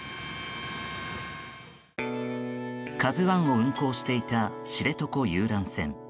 「ＫＡＺＵ１」を運航していた知床遊覧船。